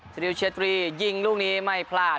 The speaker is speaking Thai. สเตนิลเชดรียิงลูกนี้ไม่พลาด